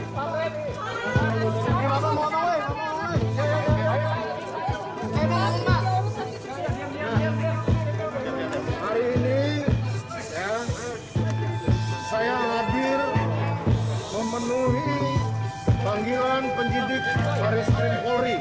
hari ini saya hadir memenuhi panggilan penjidik pariwisata polri